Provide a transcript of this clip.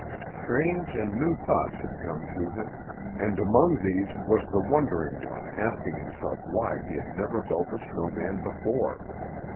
Strange and new thoughts had come to him, and among these was the wondering one asking himself why he had never built a snow man before.